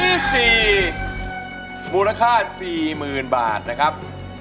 เพลงที่๔มูลค่า๔หมื่นบาทนะครับ